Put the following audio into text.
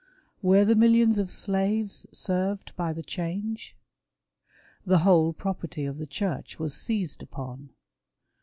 Were the millions of " slaves " served by the change ? The whole property of the Church was seized upon.